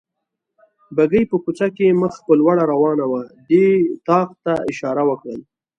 بګۍ په کوڅه کې مخ په لوړه روانه وه، دې طاق ته اشاره وکړل.